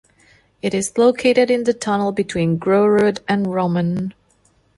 It is located in the tunnel between Grorud and Rommen.